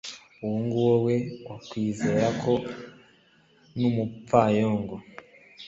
uwo nguwo we, wakwizera ko n'umupfayongo